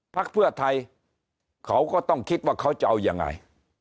พักเพื่อไทยเขาก็ต้องคิดว่าเขาจะเอายังไง